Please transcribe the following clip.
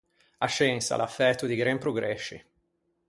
A sciensa a l’à fæto di gren progresci.